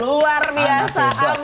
luar biasa amin